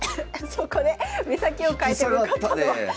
そこで目先を変えて向かったのは。